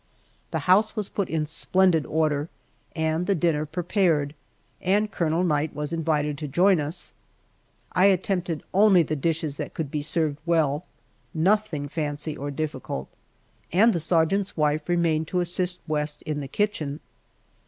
The house was put in splendid order and the dinner prepared, and Colonel Knight was invited to join us. I attempted only the dishes that could be served well nothing fancy or difficult and the sergeant's wife remained to assist West in the kitchen.